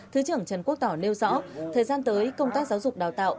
thứ trưởng trần quốc tỏ nêu rõ thời gian tới công tác giáo dục đào tạo